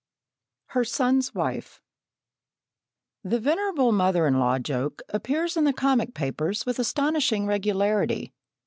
Her Son's Wife The venerable mother in law joke appears in the comic papers with astonishing regularity.